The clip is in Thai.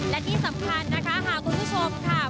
และที่สำคัญนะคะหากคุณผู้ชมค่ะ